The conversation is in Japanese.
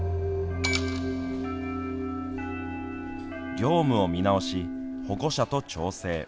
業務を見直し、保護者と調整。